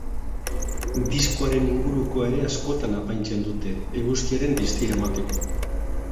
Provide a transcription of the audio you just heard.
Diskoaren ingurukoa ere askotan apaintzen dute, eguzkiaren distira emateko.